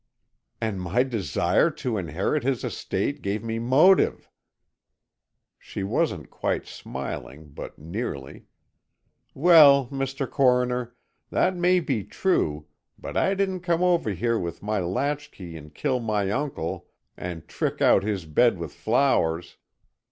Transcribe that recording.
"And my desire to inherit his estate gave me motive!" she wasn't quite smiling, but nearly. "Well, Mr. Coroner, that may be true, but I didn't come over here with my latchkey and kill my uncle and trick out his bed with flowers.